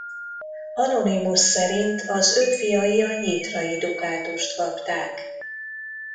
Anonymus szerint az ő fiai a nyitrai dukátust kapták.